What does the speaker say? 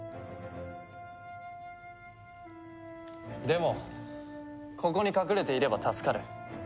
でもここに隠れていれば助かる。